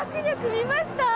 見ました？